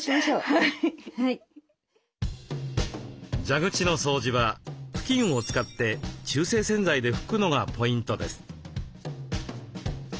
蛇口の掃除は布巾を使って中性洗剤で拭くのがポイントです。